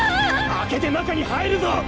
・開けて中に入るぞッ！